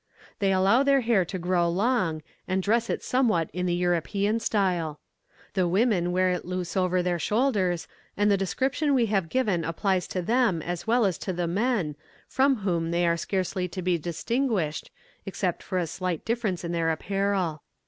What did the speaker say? They allow their hair to grow long, and dress it somewhat in the European style. The women wear it loose over their shoulders, and the description we have given applies to them as well as to the men, from whom they are scarcely to be distinguished, except for a slight difference in their apparel.